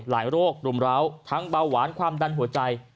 โรครุมร้าวทั้งเบาหวานความดันหัวใจ